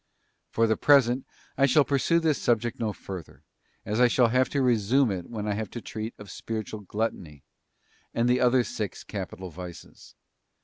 For the present, I shall pursue this subject no further, as I shall have to resume it when I have to treat of spiritual gluttony, and the other six capital vices.